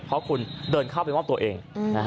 เพราะคุณเดินเข้าไปมอบตัวเอง